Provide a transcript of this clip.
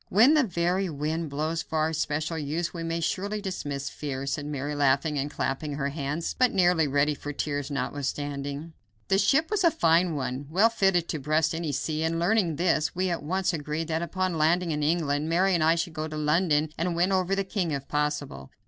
"When the very wind blows for our special use, we may surely dismiss fear," said Mary, laughing and clapping her hands, but nearly ready for tears, notwithstanding. The ship was a fine new one, well fitted to breast any sea, and learning this, we at once agreed that upon landing in England, Mary and I should go to London and win over the king if possible.